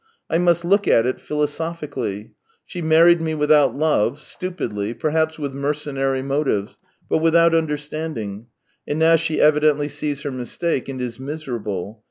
1 must look at it philosophi cally. She married me without love, stupidly, perhaps with mercenary motives, but without understanding, and now she evidently sees her mistake and is miserable.